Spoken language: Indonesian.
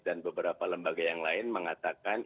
dan beberapa lembaga yang lain mengatakan